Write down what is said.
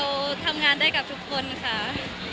ทำงานได้กับทุกคนค่ะ